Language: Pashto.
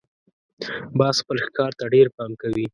باز خپل ښکار ته ډېر پام کوي